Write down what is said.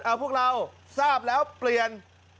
เอาพวกเราทราบแล้วเปลี่ยน